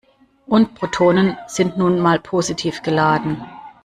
Und Protonen sind nun mal positiv geladen.